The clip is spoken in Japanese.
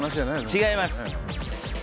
違います。